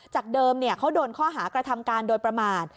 จากเดิมเขาโดนข้อหากระทำการโดยประมาท